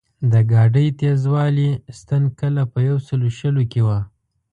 د ګاډۍ تېزوالي ستن کله په یو سلو شلو کې وه.